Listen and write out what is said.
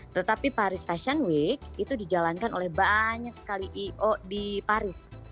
tetapi paris fashion week itu dijalankan oleh banyak sekali i o di paris